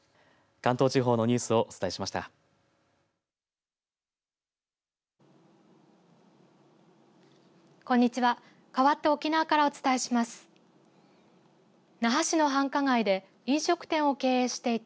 関東地方のニュースをお伝えしました。